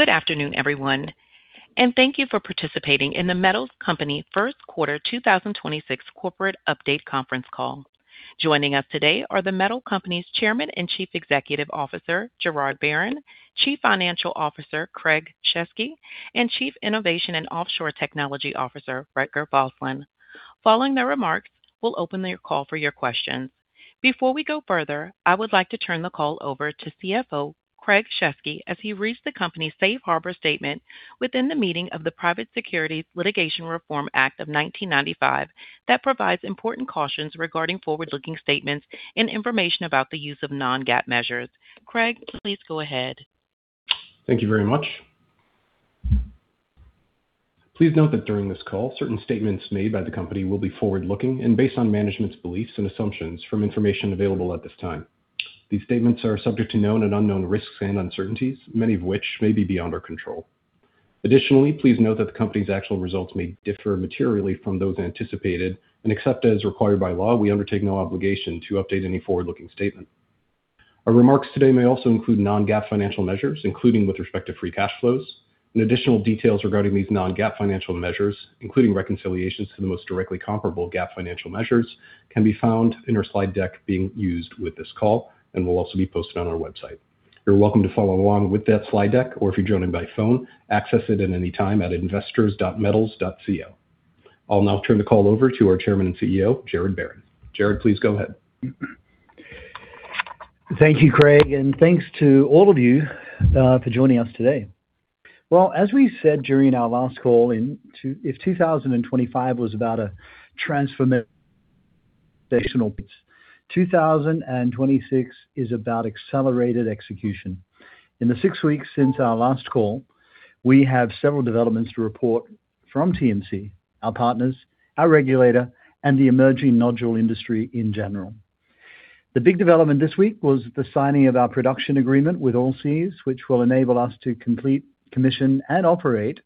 Good afternoon, everyone, and thank you for partiCipating in The Metals Company first quarter 2026 corporate update conference call. Joining us today are The Metals Company's Chairman and Chief Executive Officer, Gerard Barron, Chief Financial Officer, Craig Shesky, and Chief Innovation and Offshore Technology Officer, Rutger Bosland. Following their remarks, we'll open the call for your questions. Before we go further, I would like to turn the call over to CFO Craig Shesky as he reads the company's Safe Harbor statement within the meeting of the Private Securities Litigation Reform Act of 1995 that provides important cautions regarding forward-looking statements and information about the use of non-GAAP measures. Craig, please go ahead. Thank you very much. Please note that during this call, certain statements made by the company will be forward-looking and based on management's beliefs and assumptions from information available at this time. These statements are subject to known and unknown risks and uncertainties, many of which may be beyond our control. Additionally, please note that the company's actual results may differ materially from those anticipated. Except as required by law, we undertake no obligation to update any forward-looking statement. Our remarks today may also include non-GAAP financial measures, including with respect to free cash flows, and additional details regarding these non-GAAP financial measures, including reconciliations to the most directly comparable GAAP financial measures can be found in our slide deck being used with this call and will also be posted on our website. You're welcome to follow along with that slide deck, or if you're joining by phone, access it at any time at investors.metals.co. I'll now turn the call over to our Chairman and CEO, Gerard Barron. Gerard, please go ahead. Thank you, Craig Shesky, and thanks to all of you for joining us today. Well, as we said during our last call, if 2025 was about a transformational 2026 is about accelerated execution. In the six weeks since our last call, we have several developments to report from TMC, our partners, our regulator, and the emerging nodule industry in general. The big development this week was the signing of our production agreement with Allseas, which will enable us to complete, commission, and operate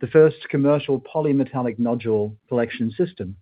the first commercial polymetallic nodule collection system.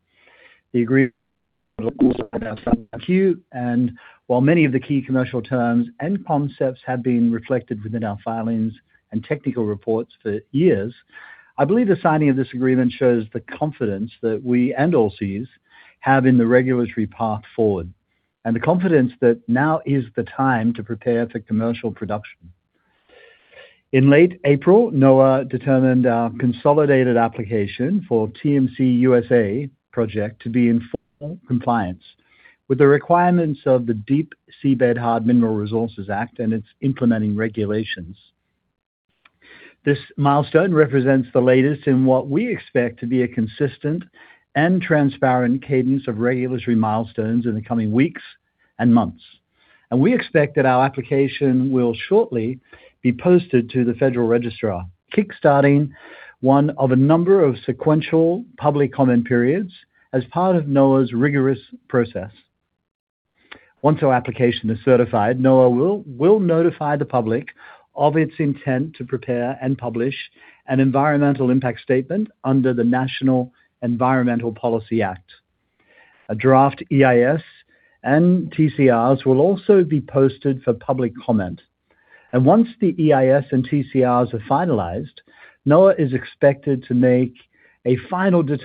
You'll notice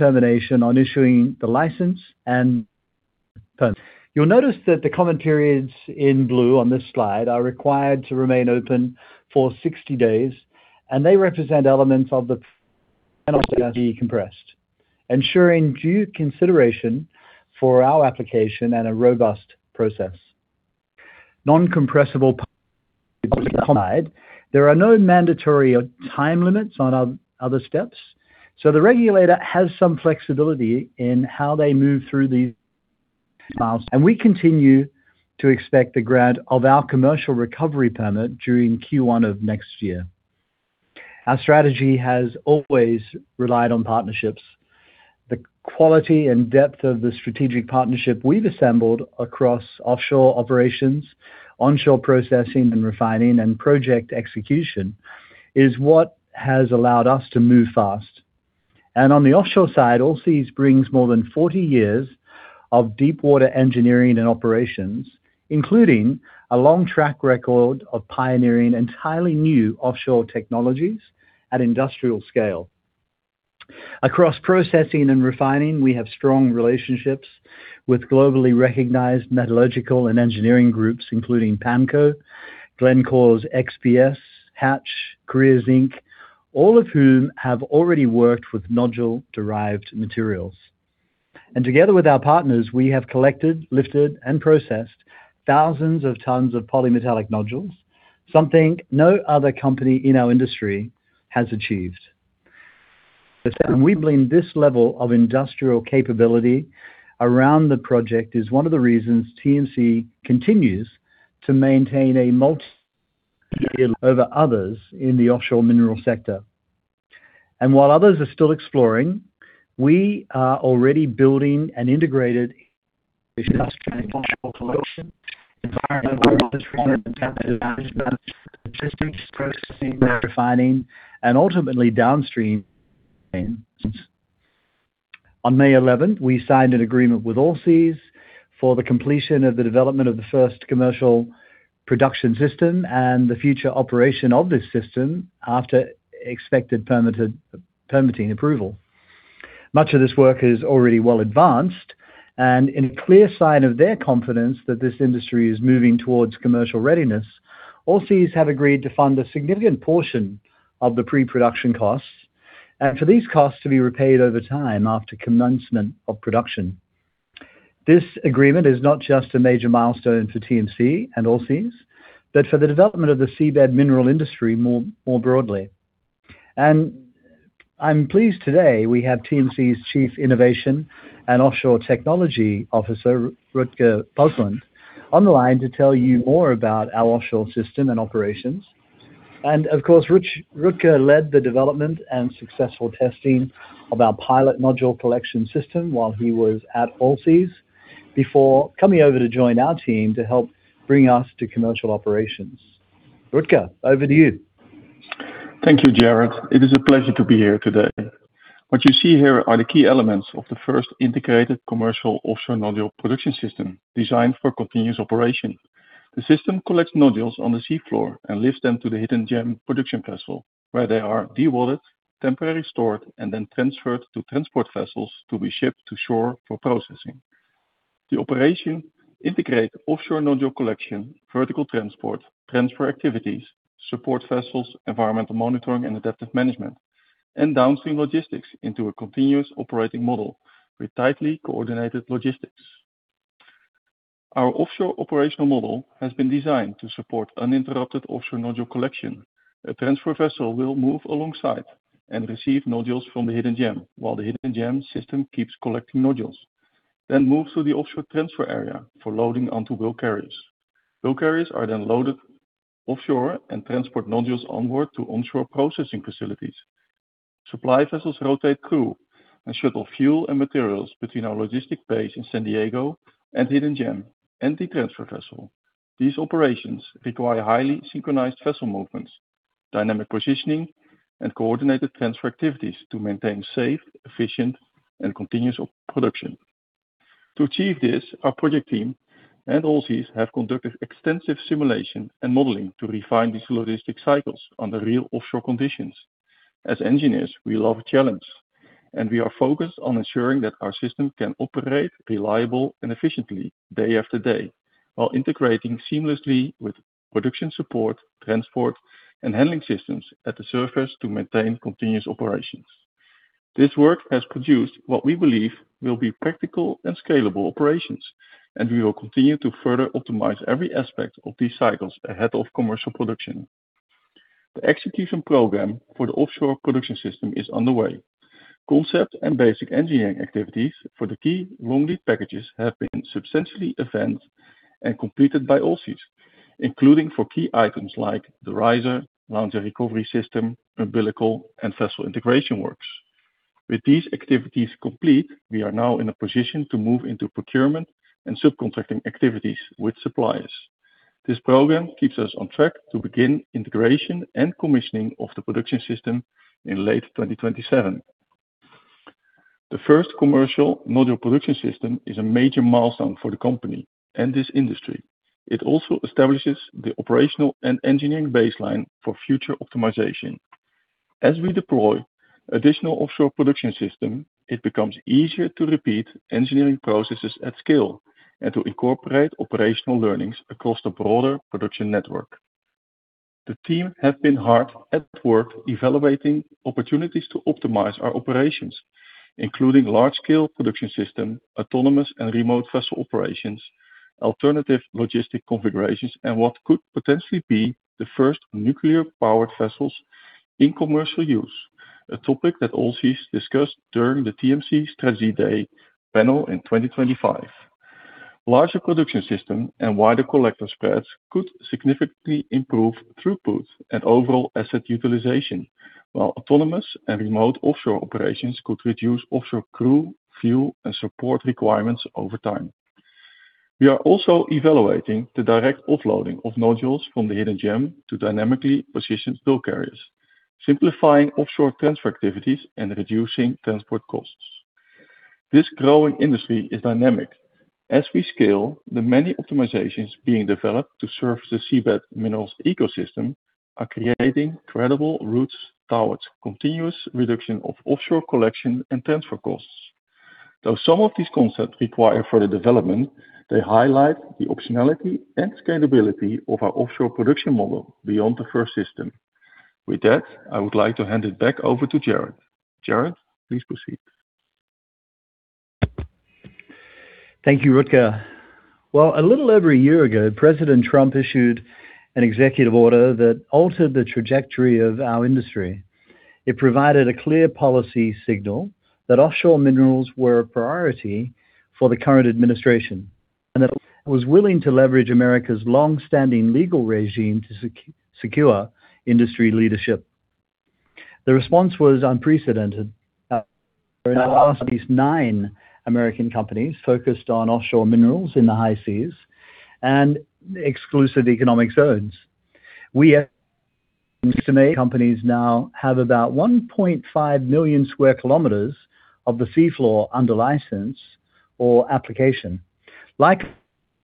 that the comment periods in blue on this slide are required to remain open for 60 days, and they represent elements of the compressed, ensuring due consideration for our application and a robust process. There are no mandatory time limits on other steps, the regulator has some flexibility in how they move through these milestones. We continue to expect the grant of our commercial recovery permit during Q1 of next year. Our strategy has always relied on partnerships. The quality and depth of the strategic partnership we've assembled across offshore operations, onshore processing and refining, and project execution is what has allowed us to move fast. On the offshore side, Allseas brings more than 40 years of deep-water engineering and operations, including a long track record of pioneering entirely new offshore technologies at industrial scale. Across processing and refining, we have strong relationships with globally recognized metallurgical and engineering groups, including PAMCO, Glencore's XPS, Hatch, Korea Zinc, all of whom have already worked with nodule-derived materials. Together with our partners, we have collected, lifted and processed thousands of tons of polymetallic nodules, something no other company in our industry has achieved. We believe this level of industrial capability around the project is one of the reasons TMC continues to maintain a multi over others in the offshore mineral sector. While others are still exploring, we are already building an integrated collection, environmental performance and management, logistics, processing, refining and ultimately downstream. On May eleventh, we signed an agreement with Allseas for the completion of the development of the first commercial production system and the future operation of this system after expected permitting approval. Much of this work is already well advanced. In a clear sign of their confidence that this industry is moving towards commercial readiness, Allseas have agreed to fund a significant portion of the pre-production costs, and for these costs to be repaid over time after commencement of production. This agreement is not just a major milestone for TMC and Allseas, but for the development of the seabed mineral industry more broadly. I'm pleased today we have TMC's Chief Innovation and Offshore Technology Officer, Rutger Bosland, on the line to tell you more about our offshore system and operations. Of course, Rutger led the development and successful testing of our pilot polymetallic nodule collection system while he was at Allseas before coming over to join our team to help bring us to commercial operations. Rutger, over to you. Thank you, Gerard. It is a pleasure to be here today. What you see here are the key elements of the first integrated commercial offshore nodule production system designed for continuous operation. The system collects nodules on the sea floor and lifts them to the Hidden Gem production vessel, where they are de-watered, temporarily stored, and then transferred to transport vessels to be shipped to shore for processing. The operation integrates offshore nodule collection, vertical transport, transfer activities, support vessels, environmental monitoring, and adaptive management, and downstream logistics into a continuous operating model with tightly coordinated logistics. Our offshore operational model has been designed to support uninterrupted offshore nodule collection. A transfer vessel will move alongside and receive nodules from the Hidden Gem while the Hidden Gem system keeps collecting nodules, then moves to the offshore transfer area for loading onto bulk carriers. Bulk carriers are then loaded offshore and transport nodules onward to onshore processing facilities. Supply vessels rotate crew and shuttle fuel and materials between our logistic base in San Diego and Hidden Gem, and the transfer vessel. These operations require highly synchronized vessel movements, dynamic positioning, and coordinated transfer activities to maintain safe, efficient, and continuous production. To achieve this, our project team and Allseas have conducted extensive simulation and modeling to refine these logistic cycles under real offshore conditions. As engineers, we love a challenge. We are focused on ensuring that our system can operate reliably and efficiently day after day, while integrating seamlessly with production support, transport, and handling systems at the surface to maintain continuous operations. This work has produced what we believe will be practical and scalable operations. We will continue to further optimize every aspect of these cycles ahead of commercial production. The execution program for the offshore production system is underway. Concept and basic engineering activities for the key long-lead packages have been substantially advanced and completed by Allseas, including for key items like the riser, launcher recovery system, umbilical, and vessel integration works. With these activities complete, we are now in a position to move into procurement and subcontracting activities with suppliers. This program keeps us on track to begin integration and commissioning of the production system in late 2027. The first commercial nodule production system is a major milestone for the company and this industry. It also establishes the operational and engineering baseline for future optimization. As we deploy additional offshore production system, it becomes easier to repeat engineering processes at scale and to incorporate operational learnings across the broader production network. The team have been hard at work evaluating opportunities to optimize our operations, including large-scale production system, autonomous and remote vessel operations, alternative logistic configurations, and what could potentially be the first nuclear-powered vessels in commercial use, a topic that Allseas discussed during the TMC Strategy Day panel in 2025. Larger production system and wider collector spreads could significantly improve throughput and overall asset utilization, while autonomous and remote offshore operations could reduce offshore crew, fuel, and support requirements over time. We are also evaluating the direct offloading of nodules from the Hidden Gem to dynamically positioned bulk carriers, simplifying offshore transfer activities and reducing transport costs. This growing industry is dynamic. As we scale, the many optimizations being developed to serve the seabed minerals ecosystem are creating credible routes towards continuous reduction of offshore collection and transfer costs. Though some of these concepts require further development, they highlight the optionality and scalability of our offshore production model beyond the first system. With that, I would like to hand it back over to Gerard. Gerard, please proceed. Thank you, Rutger. Well, a little over a year ago, President Trump issued an executive order that altered the trajectory of our industry. It provided a clear policy signal that offshore minerals were a priority for the current administration, and that it was willing to leverage America's longstanding legal regime to secure industry leadership. For the last at least nine American companies focused on offshore minerals in the high seas and exclusive economic zones. Seems to me companies now have about 1.5 million sq km of the seafloor under license or application. Like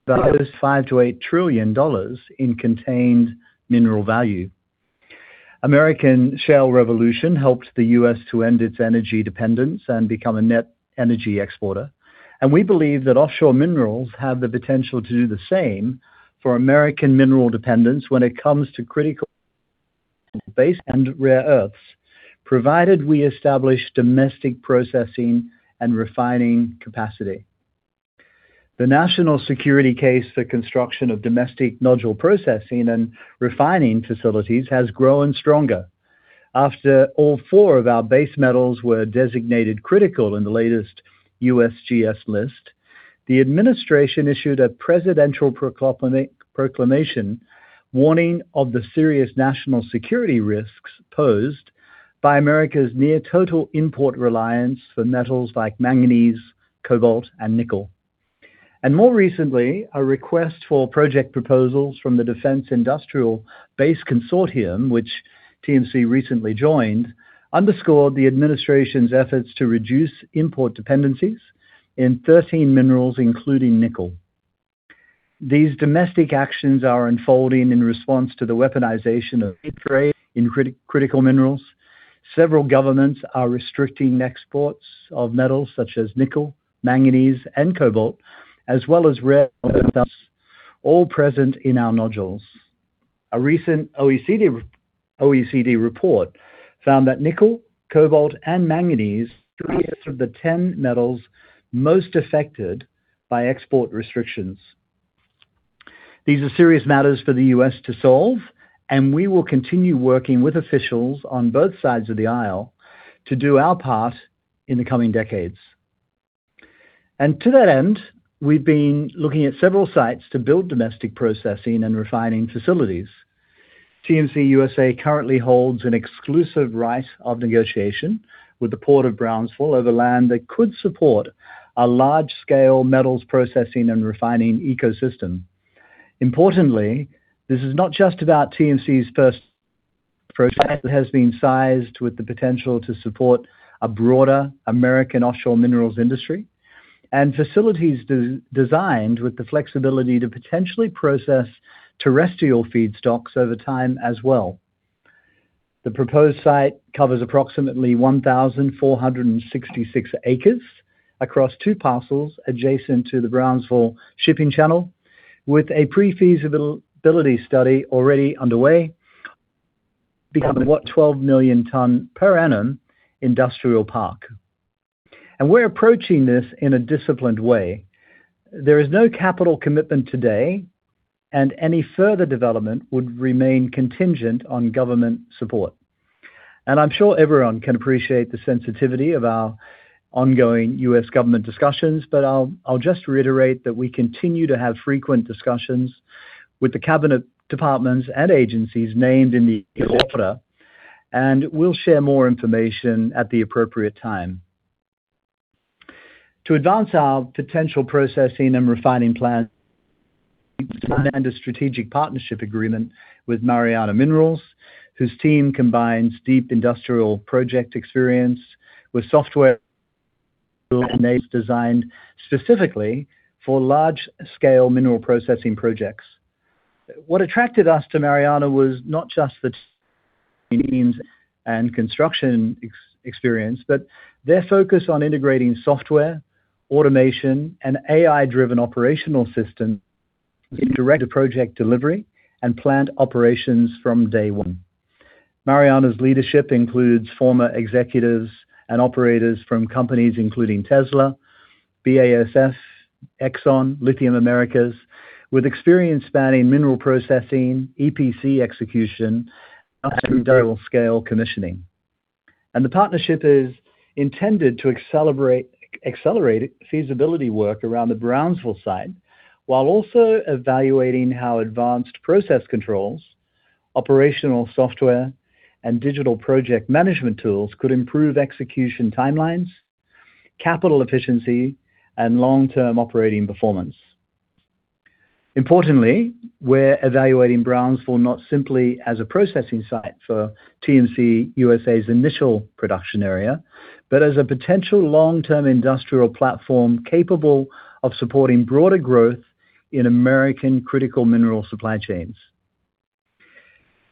$5 trillion-$8 trillion in contained mineral value. American Shale Revolution helped the U.S. to end its energy dependence and become a net energy exporter. We believe that offshore minerals have the potential to do the same for American mineral dependence when it comes to critical base and rare earths, provided we establish domestic processing and refining capacity. The national security case for construction of domestic nodule processing and refining facilities has grown stronger. After all four of our base metals were designated critical in the latest USGS list, the administration issued a presidential proclamation warning of the serious national security risks posed by America's near total import reliance for metals like manganese, cobalt, and nickel. More recently, a request for project proposals from the Defense Industrial Base Consortium, which TMC recently joined, underscored the administration's efforts to reduce import dependencies in 13 minerals, including nickel. These domestic actions are unfolding in response to the weaponization of trade in critical minerals. Several governments are restricting exports of metals such as nickel, manganese, and cobalt, as well as rare earths present in our nodules. A recent OECD report found that nickel, cobalt, and manganese of the 10 metals most affected by export restrictions. These are serious matters for the U.S. to solve, and we will continue working with officials on both sides of the aisle to do our part in the coming decades. To that end, we've been looking at several sites to build domestic processing and refining facilities. TMC USA currently holds an exclusive right of negotiation with the Port of Brownsville over land that could support a large-scale metals processing and refining ecosystem. Importantly, this is not just about TMC's first that has been sized with the potential to support a broader American offshore minerals industry and facilities de-designed with the flexibility to potentially process terrestrial feedstocks over time as well. The proposed site covers approximately 1,466 acres across two parcels adjacent to the Brownsville shipping channel, with a pre-feasibility study already underway becoming what 12 million ton per annum industrial park. We're approaching this in a disciplined way. There is no capital commitment today, and any further development would remain contingent on government support. I'll just reiterate that we continue to have frequent discussions with the Cabinet departments and agencies named in the and we'll share more information at the appropriate time. To advance our potential processing and refining plan and a strategic partnership agreement with Mariana Minerals, whose team combines deep industrial project experience with software designed specifically for large-scale mineral processing projects. What attracted us to Mariana was not just the construction experience, but their focus on integrating software, automation, and AI-driven operational systems direct to project delivery and plant operations from day one. Mariana's leadership includes former executives and operators from companies including Tesla, BASF, Exxon, Lithium Americas, with experience spanning mineral processing, EPC execution, and industrial-scale commissioning. The partnership is intended to accelerate feasibility work around the Brownsville site, while also evaluating how advanced process controls, operational software, and digital project management tools could improve execution timelines, capital efficiency, and long-term operating performance. Importantly, we're evaluating Brownsville not simply as a processing site for TMC USA's initial production area, but as a potential long-term industrial platform capable of supporting broader growth in American critical mineral supply chains.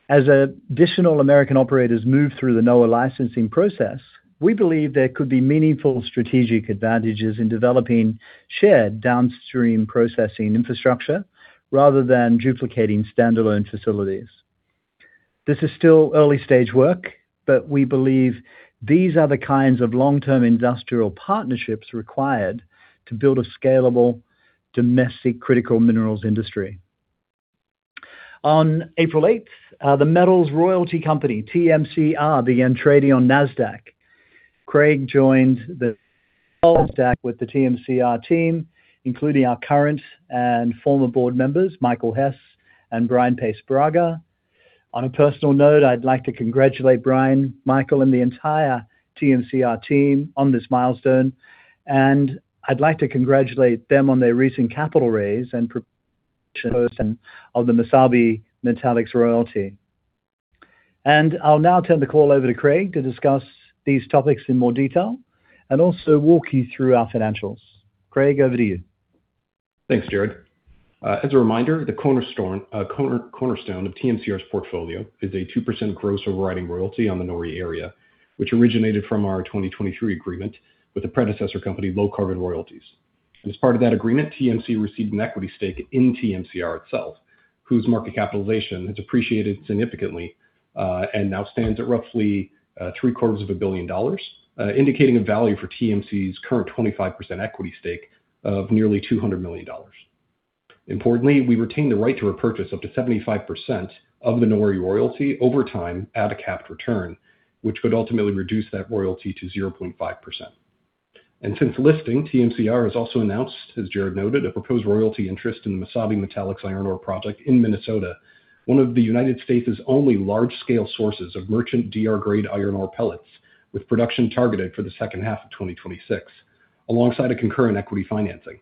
As additional American operators move through the NOAA licensing process, we believe there could be meaningful strategic advantages in developing shared downstream processing infrastructure rather than duplicating standalone facilities. This is still early-stage work, but we believe these are the kinds of long-term industrial partnerships required to build a scalable domestic critical minerals industry. On April eighth, The Metals Royalty Company, TMCR, began trading on Nasdaq. Craig joined the TMCR team, including our current and former board members, Michael Hess and Brian Paes-Braga. On a personal note, I'd like to congratulate Brian, Michael, and the entire TMCR team on this milestone, and I'd like to congratulate them on their recent capital raise and of the Mesabi Metallics royalty. I'll now turn the call over to Craig to discuss these topics in more detail and also walk you through our financials. Craig, over to you. Thanks, Gerard. As a reminder, the cornerstone of TMCR's portfolio is a 2% gross overriding royalty on the NORI area, which originated from our 2023 agreement with the predecessor company, Low Carbon Royalties. As part of that agreement, TMC received an equity stake in TMCR itself, whose market capitalization has appreciated significantly, and now stands at roughly three-quarters of a billion dollars, indicating a value for TMC's current 25% equity stake of nearly $200 million. Importantly, we retain the right to repurchase up to 75% of the NORI royalty over time at a capped return, which could ultimately reduce that royalty to 0.5%. Since listing, TMCR has also announced, as Gerard noted, a proposed royalty interest in the Mesabi Metallics iron ore project in Minnesota, one of the United States' only large-scale sources of merchant DR grade iron ore pellets, with production targeted for the second half of 2026, alongside a concurrent equity financing.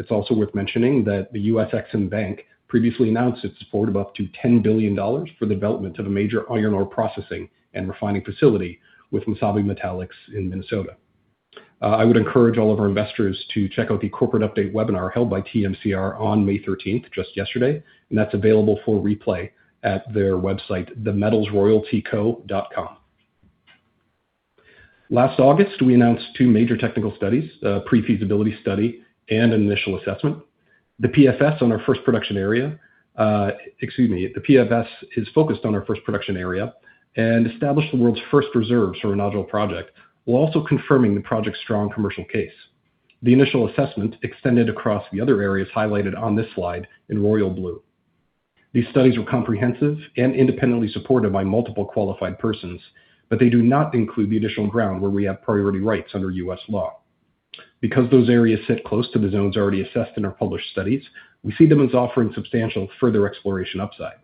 It's also worth mentioning that the U.S. Exim Bank previously announced its support of up to $10 billion for the development of a major iron ore processing and refining facility with Mesabi Metallics in Minnesota. I would encourage all of our investors to check out the corporate update webinar held by TMCR on May 13th, just yesterday, and that's available for replay at their website, themetalsroyaltyco.com. Last August, we announced two major technical studies, a pre-feasibility study and an initial assessment. The PFS on our first production area, excuse me, the PFS is focused on our first production area and established the world's first reserves for a nodule project, while also confirming the project's strong commercial case. The initial assessment extended across the other areas highlighted on this slide in royal blue. These studies were comprehensive and independently supported by multiple qualified persons. They do not include the additional ground where we have priority rights under U.S. law. Because those areas sit close to the zones already assessed in our published studies, we see them as offering substantial further exploration upside.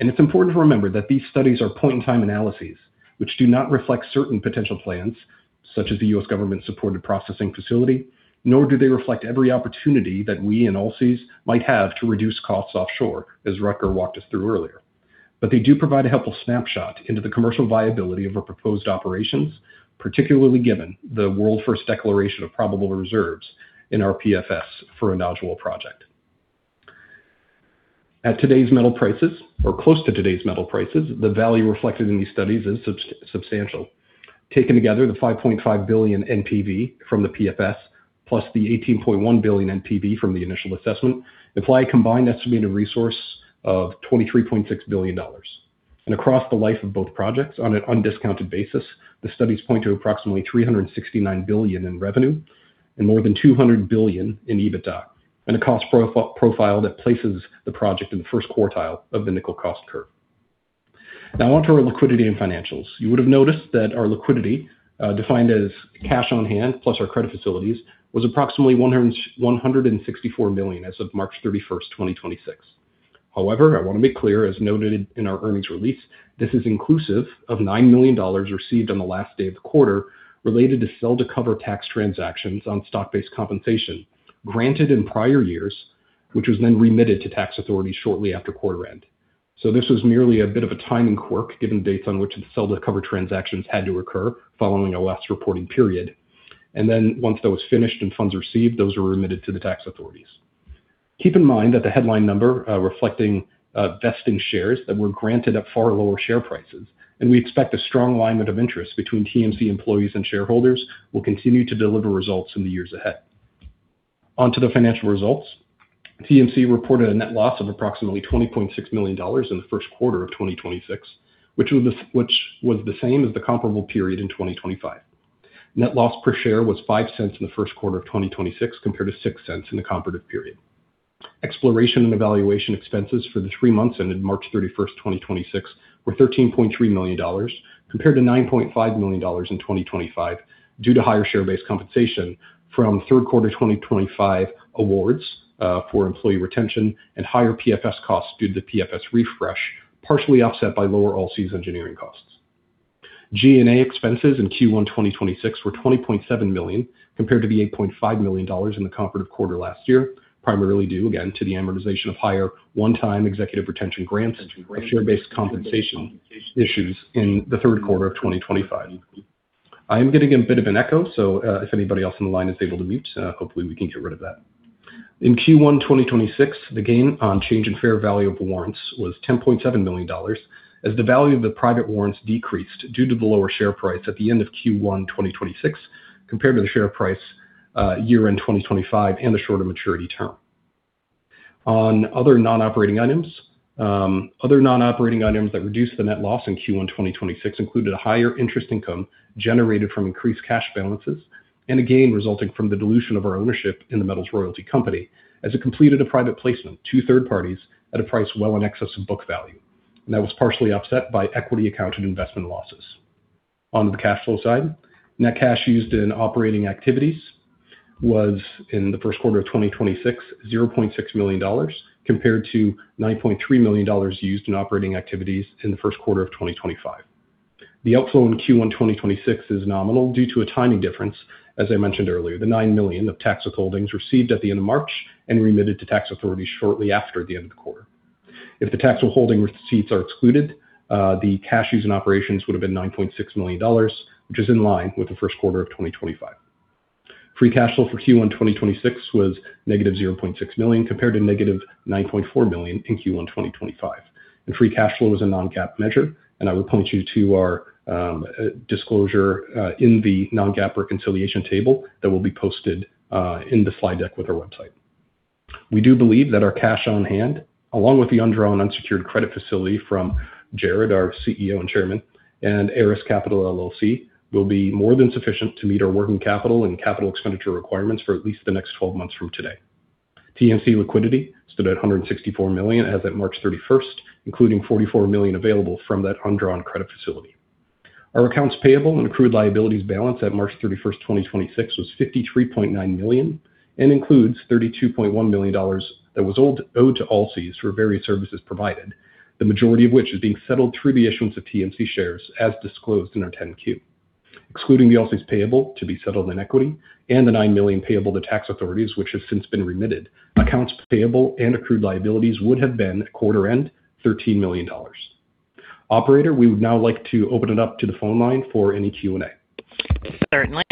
It's important to remember that these studies are point-in-time analyses, which do not reflect certain potential plans, such as the U.S. government-supported processing facility, nor do they reflect every opportunity that we and Allseas might have to reduce costs offshore, as Rutger walked us through earlier. They do provide a helpful snapshot into the commercial viability of our proposed operations, particularly given the world-first declaration of probable reserves in our PFS for a nodule project. At today's metal prices, or close to today's metal prices, the value reflected in these studies is substantial. Taken together, the $5.5 billion NPV from the PFS plus the $18.1 billion NPV from the initial assessment imply a combined estimated resource of $23.6 billion. Across the life of both projects, on an undiscounted basis, the studies point to approximately $369 billion in revenue and more than $200 billion in EBITDA, and a cost profile that places the project in the first quartile of the nickel cost curve. Now onto our liquidity and financials. You would have noticed that our liquidity, defined as cash on hand plus our credit facilities, was approximately $164 million as of March 31, 2026. However, I want to be clear, as noted in our earnings release, this is inclusive of $9 million received on the last day of the quarter related to sell-to-cover tax transactions on stock-based compensation granted in prior years, which was then remitted to tax authorities shortly after quarter end. This was merely a bit of a timing quirk, given dates on which the sell-to-cover transactions had to occur following our last reporting period. Once that was finished and funds received, those were remitted to the tax authorities. Keep in mind that the headline number, reflecting vesting shares that were granted at far lower share prices. We expect a strong alignment of interest between TMC employees and shareholders will continue to deliver results in the years ahead. On to the financial results. TMC reported a net loss of approximately $20.6 million in the first quarter of 2026, which was the same as the comparable period in 2025. Net loss per share was $0.05 in the first quarter of 2026, compared to $0.06 in the comparative period. Exploration and evaluation expenses for the three months ended March 31, 2026, were $13.3 million, compared to $9.5 million in 2025, due to higher share-based compensation from third quarter 2025 awards, for employee retention and higher PFS costs due to the PFS refresh, partially offset by lower Allseas engineering costs. G&A expenses in Q1 2026 were $20.7 million, compared to the $8.5 million in the comparative quarter last year, primarily due again to the amortization of higher one-time executive retention grants of share-based compensation issues in the third quarter of 2025. I am getting a bit of an echo, so, if anybody else on the line is able to mute, hopefully we can get rid of that. In Q1 2026, the gain on change in fair value of warrants was $10.7 million, as the value of the private warrants decreased due to the lower share price at the end of Q1 2026 compared to the share price year-end 2025 and the shorter maturity term. On other non-operating items, other non-operating items that reduced the net loss in Q1 2026 included a higher interest income generated from increased cash balances and a gain resulting from the dilution of our ownership in The Metals Royalty Company as it completed a private placement to third parties at a price well in excess of book value. That was partially offset by equity accounted investment losses. On the cash flow side, net cash used in operating activities was, in the first quarter of 2026, $0.6 million compared to $9.3 million used in operating activities in the first quarter of 2025. The outflow in Q1 2026 is nominal due to a timing difference. As I mentioned earlier, the $9 million of tax withholdings received at the end of March and remitted to tax authorities shortly after the end of the quarter. If the tax withholding receipts are excluded, the cash use in operations would have been $9.6 million, which is in line with the first quarter of 2025. Free cash flow for Q1 2026 was -$0.6 million, compared to -$9.4 million in Q1 2025. Free cash flow is a non-GAAP measure, I would point you to our disclosure in the non-GAAP reconciliation table that will be posted in the fly deck with our website. We do believe that our cash on hand, along with the undrawn unsecured credit facility from Gerard Barron, our CEO and Chairman, and Aris Capital LLC, will be more than sufficient to meet our working capital and capital expenditure requirements for at least the next 12 months from today. TMC liquidity stood at $164 million as at March 31st, including $44 million available from that undrawn credit facility. Our accounts payable and accrued liabilities balance at March 31, 2026 was $53.9 million, and includes $32.1 million that was owed to Allseas for various services provided, the majority of which is being settled through the issuance of TMC shares as disclosed in our 10-Q. Excluding the Allseas payable to be settled in equity and the $9 million payable to tax authorities, which have since been remitted, accounts payable and accrued liabilities would have been, at quarter end, $13 million. Operator, we would now like to open it up to the phone line for any Q&A. Certainly.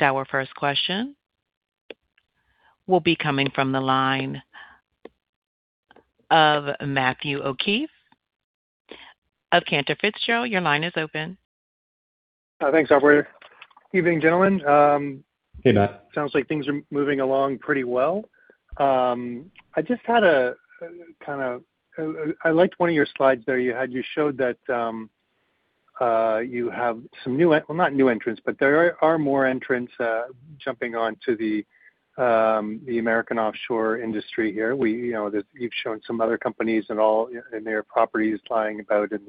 Our first question will be coming from the line of Matthew O'Keefe of Cantor Fitzgerald. Your line is open. Thanks, operator. Evening, gentlemen. Hey, Matt. Sounds like things are moving along pretty well. I liked one of your slides there. You showed that you have some new entrants, but there are more entrants jumping onto the American offshore industry here. You know, you've shown some other companies and all, and their properties lying about in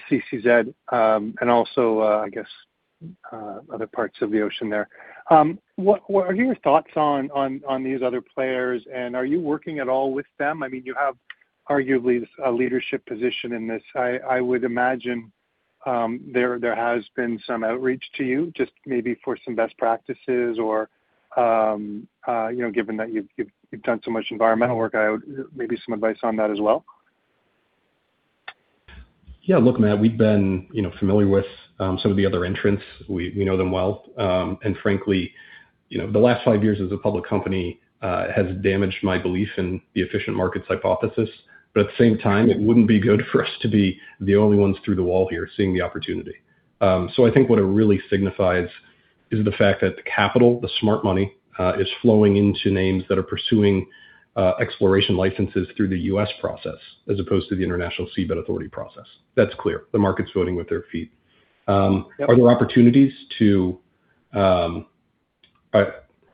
the CCZ, and also, I guess, other parts of the ocean there. What are your thoughts on these other players, and are you working at all with them? I mean, you have arguably a leadership position in this. I would imagine there has been some outreach to you just maybe for some best practices or, you know, given that you've done so much environmental work, maybe some advice on that as well. Yeah, look, Matt, we've been, you know, familiar with some of the other entrants. We know them well. Frankly, you know, the last five years as a public company has damaged my belief in the efficient markets hypothesis, but at the same time, it wouldn't be good for us to be the only ones through the wall here seeing the opportunity. I think what it really signifies is the fact that the capital, the smart money, is flowing into names that are pursuing exploration licenses through the U.S. process as opposed to the International Seabed Authority process. That's clear. The market's voting with their feet. Yeah.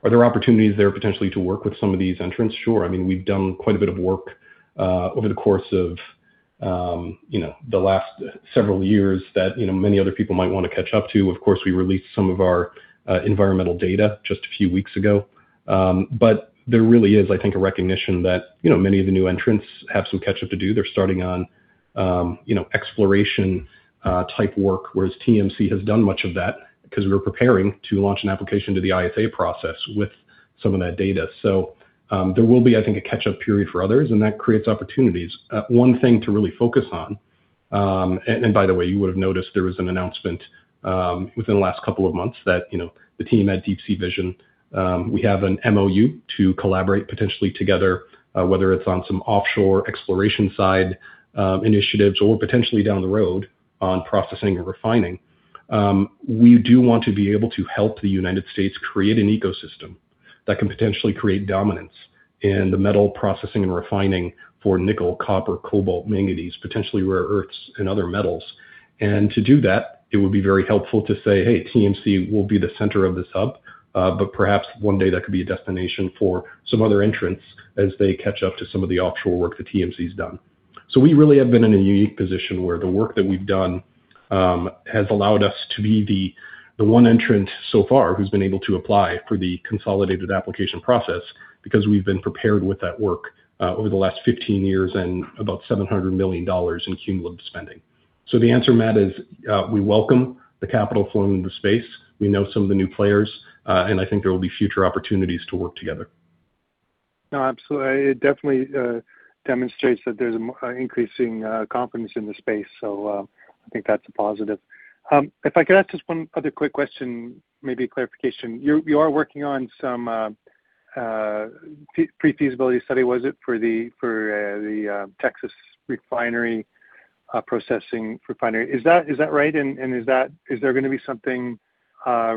Are there opportunities there potentially to work with some of these entrants? Sure. I mean, we've done quite a bit of work over the course of, you know, the last several years that, you know, many other people might wanna catch up to. Of course, we released some of our environmental data just a few weeks ago. There really is, I think, a recognition that, you know, many of the new entrants have some catch-up to do. They're starting on, you know, exploration type work, whereas TMC has done much of that because we were preparing to launch an application to the ISA process with some of that data. There will be, I think, a catch-up period for others, and that creates opportunities. One thing to really focus on, and by the way, you would have noticed there was an announcement within the last couple of months that, you know, the team at Deep Sea Vision, we have an MOU to collaborate potentially together, whether it's on some offshore exploration side, initiatives or potentially down the road on processing and refining. We do want to be able to help the United States create an ecosystem that can potentially create dominance in the metal processing and refining for nickel, copper, cobalt, manganese, potentially rare earths and other metals. To do that, it would be very helpful to say, "Hey, TMC will be the center of this hub." Perhaps one day that could be a destination for some other entrants as they catch up to some of the offshore work that TMC has done. We really have been in a unique position where the work that we've done has allowed us to be the one entrant so far who's been able to apply for the consolidated application process because we've been prepared with that work over the last 15 years and about $700 million in cumulative spending. The answer, Matt, is we welcome the capital flowing into space. We know some of the new players. I think there will be future opportunities to work together. No, absolutely. It definitely demonstrates that there's increasing confidence in the space, so I think that's a positive. If I could ask just one other quick question, maybe clarification. You are working on some pre-feasibility study, was it, for the Texas refinery, processing refinery. Is that right? Is there gonna be something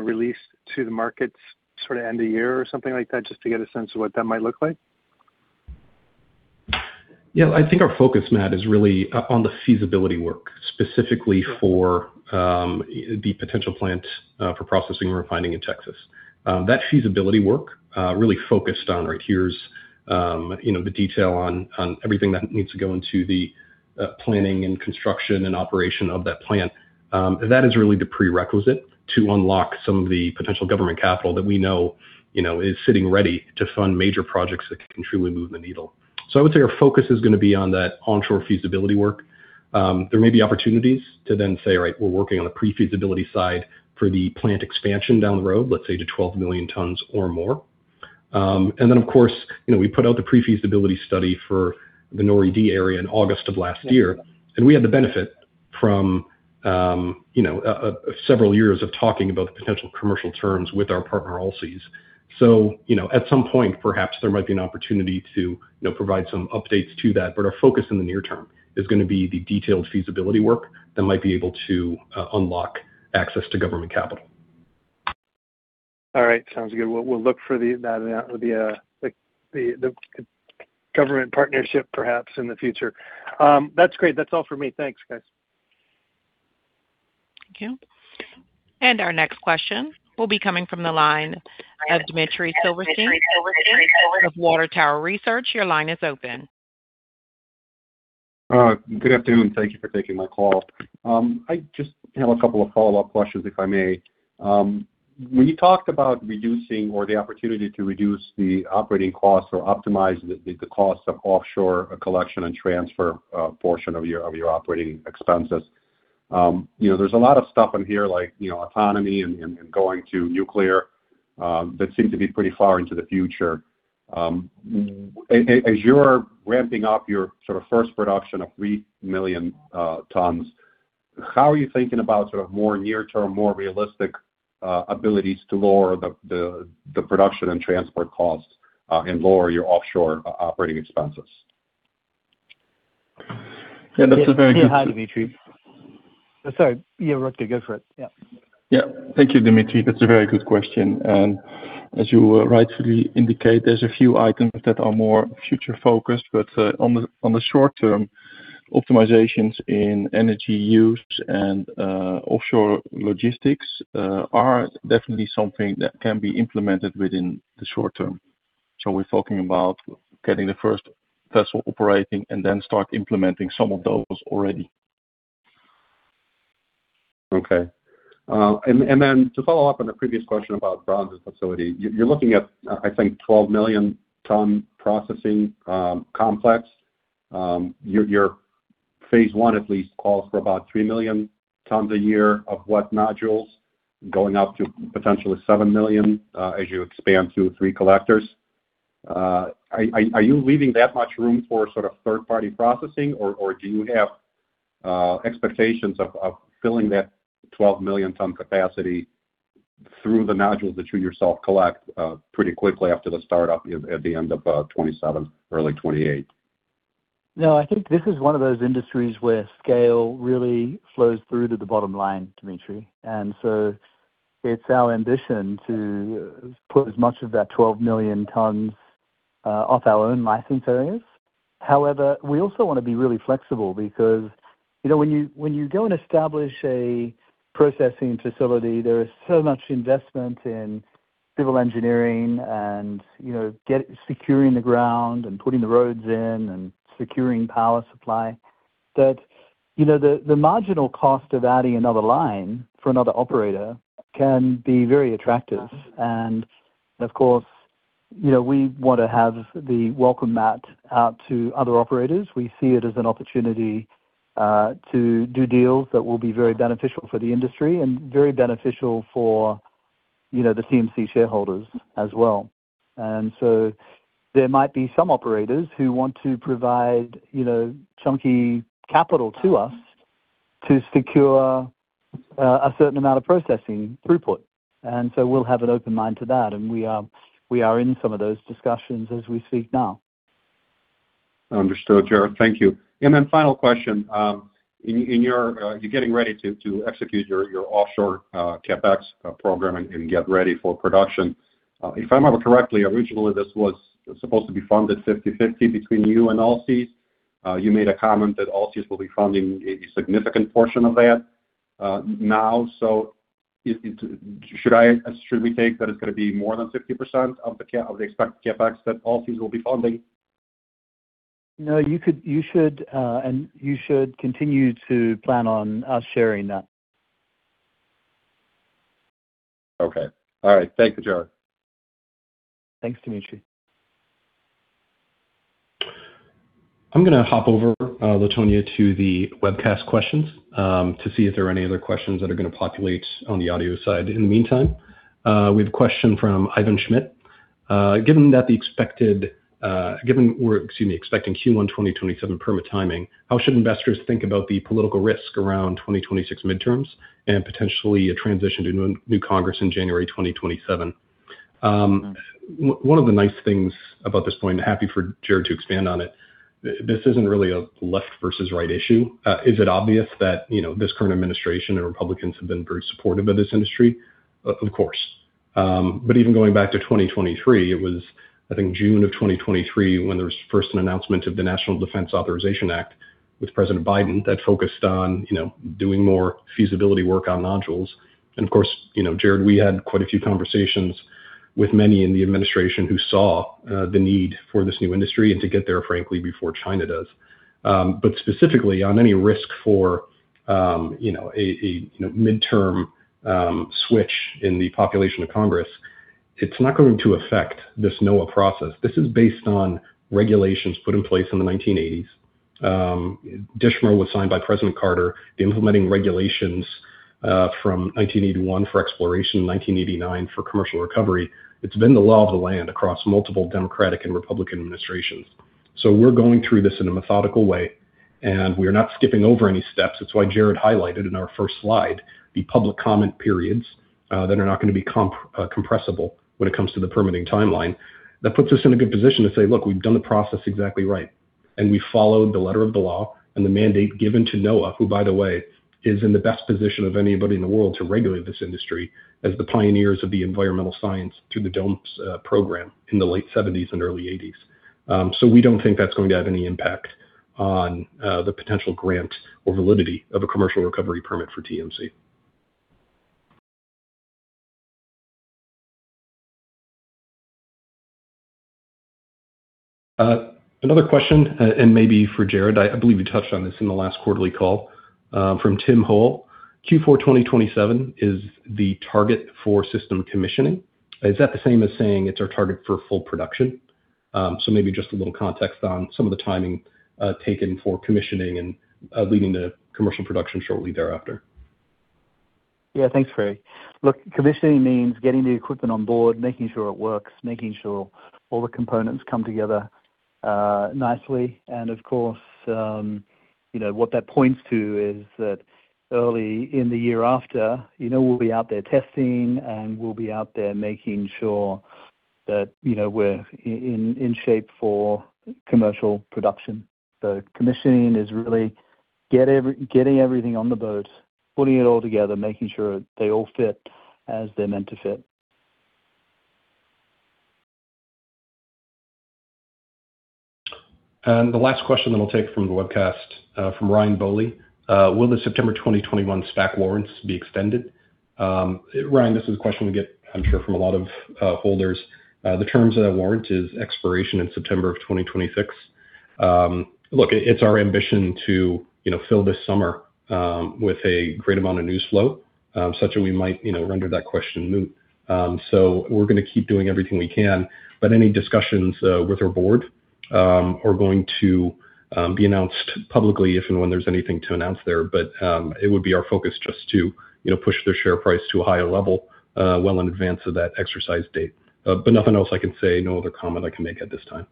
released to the markets sort of end of year or something like that, just to get a sense of what that might look like? Yeah. I think our focus, Matt, is really on the feasibility work, specifically for the potential plant for processing and refining in Texas. That feasibility work really focused on here's, you know, the detail on everything that needs to go into the planning and construction and operation of that plant. That is really the prerequisite to unlock some of the potential government capital that we know, you know, is sitting ready to fund major projects that can truly move the needle. I would say our focus is gonna be on that onshore feasibility work. There may be opportunities to then say, right, we're working on the pre-feasibility side for the plant expansion down the road, let's say to 12 million tons or more. Of course, you know, we put out the pre-feasibility study for the NORI-D area in August of last year. We had the benefit from, you know, several years of talking about the potential commercial terms with our partner, Allseas. At some point, perhaps there might be an opportunity to, you know, provide some updates to that, but our focus in the near term is gonna be the detailed feasibility work that might be able to unlock access to government capital. All right. Sounds good. We'll look for the government partnership perhaps in the future. That's great. That's all for me. Thanks, guys. Thank you. Our next question will be coming from the line of Dmitry Silversteyn of Water Tower Research. Your line is open. Good afternoon. Thank you for taking my call. I just have a couple of follow-up questions, if I may. When you talked about reducing or the opportunity to reduce the operating costs or optimize the costs of offshore collection and transfer portion of your operating expenses, you know, there's a lot of stuff in here, like, you know, autonomy and going to nuclear that seem to be pretty far into the future. As you're ramping up your sort of first production of $3 million tons, how are you thinking about sort of more near term, more realistic abilities to lower the production and transport costs and lower your offshore operating expenses? Yeah, that's a very good. Yeah, hi, Dmitry. Sorry. Yeah, Rutger, go for it. Yeah. Yeah. Thank you, Dmitry. That's a very good question. As you rightfully indicate, there's a few items that are more future-focused, but on the short term, optimizations in energy use and offshore logistics are definitely something that can be implemented within the short term. We're talking about getting the 1st vessel operating and then start implementing some of those already. Okay. Then to follow up on the previous question about Brian [Paes-Braga's] facility, you're looking at, I think, 12 million ton processing complex. Your phase one at least calls for about 3 million tons a year of wet nodules going up to potentially 7 million as you expand to three collectors. Are you leaving that much room for sort of third-party processing or do you have expectations of filling that 12 million ton capacity through the nodules that you yourself collect pretty quickly after the startup at the end of 2027, early 2028? No, I think this is one of those industries where scale really flows through to the bottom line, Dmitry. It's our ambition to put as much of that 12 million tons off our own license areas. However, we also wanna be really flexible because, you know, when you, when you go and establish a processing facility, there is so much investment in civil engineering and, you know, securing the ground and putting the roads in and securing power supply that, you know, the marginal cost of adding another line for another operator can be very attractive. Of course, you know, we want to have the welcome mat out to other operators. We see it as an opportunity to do deals that will be very beneficial for the industry and very beneficial for, you know, the TMC shareholders as well. There might be some operators who want to provide, you know, chunky capital to us to secure a certain amount of processing throughput. We'll have an open mind to that. We are in some of those discussions as we speak now. Understood, Gerard. Thank you. Final question, you're getting ready to execute your offshore CapEx program and get ready for production. If I remember correctly, originally this was supposed to be funded 50/50 between you and Allseas. You made a comment that Allseas will be funding a significant portion of that now. Should we take that it's gonna be more than 50% of the expected CapEx that Allseas will be funding? No, you should, and you should continue to plan on us sharing that. Okay. All right. Thank you, Gerard. Thanks, Dmitry. I'm gonna hop over, Latonia, to the webcast questions, to see if there are any other questions that are gonna populate on the audio side. In the meantime, we have a question from Ivan Schmidt. Given we're expecting Q1 2027 permit timing, how should investors think about the political risk around 2026 midterms and potentially a transition to new Congress in January 2027? One of the nice things about this point, happy for Gerard to expand on it, this isn't really a left versus right issue. Is it obvious that, you know, this current administration and Republicans have been very supportive of this industry? Of course. Even going back to 2023, it was, I think, June of 2023, when there was first an announcement of the National Defense Authorization Act with President Biden that focused on, you know, doing more feasibility work on nodules. Of course, you know, Gerard, we had quite a few conversations with many in the administration who saw the need for this new industry and to get there, frankly, before China does. Specifically on any risk for, you know, midterm switch in the population of Congress, it's not going to affect this NOAA process. This is based on regulations put in place in the 1980s. DSHMRA was signed by President Carter, the implementing regulations from 1981 for exploration, in 1989 for commercial recovery. It's been the law of the land across multiple Democratic and Republican administrations. We're going through this in a methodical way, and we are not skipping over any steps. That's why Gerard Barron highlighted in our first slide the public comment periods that are not going to be compressible when it comes to the permitting timeline. That puts us in a good position to say, "Look, we've done the process exactly right, and we followed the letter of the law and the mandate given to NOAA," who, by the way, is in the best position of anybody in the world to regulate this industry as the pioneers of the environmental science through the DOMES Program in the late seventies and early eighties. We don't think that's going to have any impact on the potential grant or validity of a commercial recovery permit for TMC. Another question, and maybe for Gerard Barron. I believe you touched on this in the last quarterly call, from Tim Hole. Q4 2027 is the target for system commissioning. Is that the same as saying it's our target for full production? Maybe just a little context on some of the timing taken for commissioning and leading to commercial production shortly thereafter. Yeah. Thanks, Craig. Look, commissioning means getting the equipment on board, making sure it works, making sure all the components come together nicely. Of course, you know, what that points to is that early in the year after, you know, we'll be out there testing, and we'll be out there making sure that, you know, we're in shape for commercial production. Commissioning is really getting everything on the boat, putting it all together, making sure they all fit as they're meant to fit. The last question that I'll take from the webcast, from Ryan Boley. Will the September 2021 SPAC warrants be extended? Ryan, this is a question we get, I'm sure, from a lot of holders. The terms of that warrant is expiration in September 2026. Look, it's our ambition to, you know, fill this summer with a great amount of news flow, such that we might, you know, render that question moot. We're gonna keep doing everything we can. Any discussions with our board are going to be announced publicly if and when there's anything to announce there. It would be our focus just to, you know, push the share price to a higher level well in advance of that exercise date. Nothing else I can say, no other comment I can make at this time.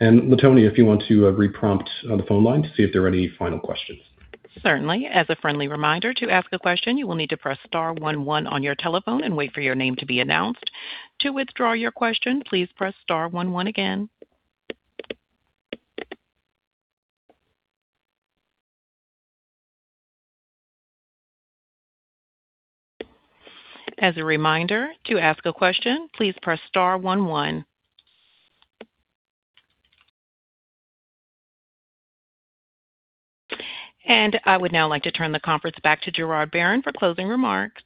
Latonia, if you want to re-prompt on the phone line to see if there are any final questions. Certainly. As a friendly reminder, to ask a question, you will need to press star one one on your telephone and wait for your name to be announced. To withdraw your question, please press star one one again. As a reminder, to ask a question, please press star one one. I would now like to turn the conference back to Gerard Barron for closing remarks.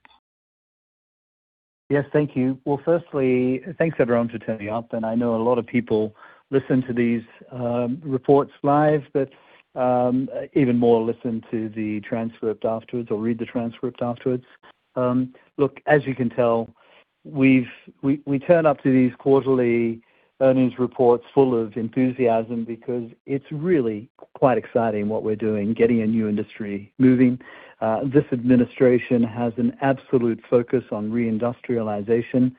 Yes, thank you. Firstly, thanks everyone to turning up. I know a lot of people listen to these reports live, even more listen to the transcript afterwards or read the transcript afterwards. As you can tell, we turn up to these quarterly earnings reports full of enthusiasm because it's really quite exciting what we're doing, getting a new industry moving. This administration has an absolute focus on reindustrialization.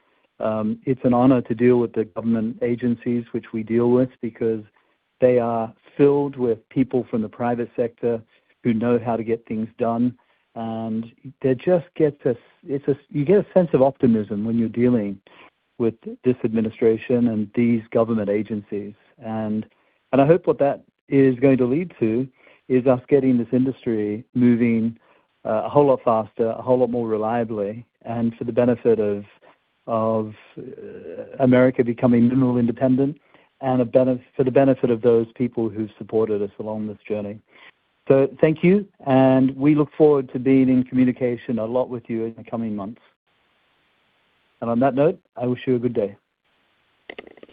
It's an honor to deal with the government agencies which we deal with because they are filled with people from the private sector who know how to get things done. They just get this. You get a sense of optimism when you're dealing with this administration and these government agencies. I hope what that is going to lead to is us getting this industry moving, a whole lot faster, a whole lot more reliably, and for the benefit of America becoming mineral independent and for the benefit of those people who supported us along this journey. Thank you, and we look forward to being in communication a lot with you in the coming months. On that note, I wish you a good day.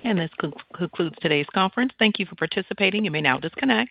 This concludes today's conference. Thank you for participating. You may now disconnect.